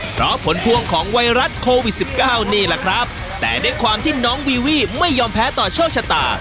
เพราะผลพวงของไวรัสโควิดสิบเก้านี่แหละครับแต่ด้วยความที่น้องวีวี่ไม่ยอมแพ้ต่อโชคชะตา